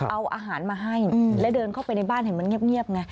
เอาอาหารมาให้แล้วเดินเข้าไปในบ้านเห็นมันเงียบไง